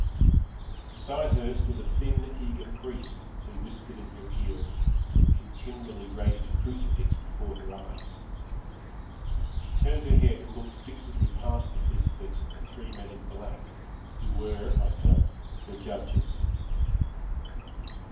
Beside her stood a thin, eager priest, who whispered in her ear, and continually raised a crucifix before her eyes. She turned her head and looked fixedly past the crucifix at the three men in black, who were, I felt, her judges.